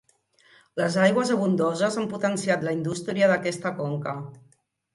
Les aigües abundoses han potenciat la indústria d'aquesta conca.